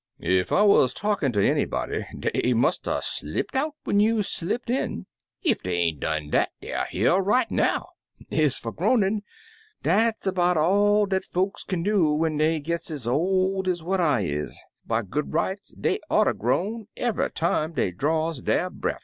"Ef I wuz talkin' ter anybody, dey must *a* slipped out when you slipped in; ef dey ain't done dat deyer in here right now. Ez fer groanin^ dat's 'bout all dat folks kin 27 Uncle Remus Returns do when dey gits ez ol' ez what I is. By good rights dey oughter groan eve'y time dey draws der breff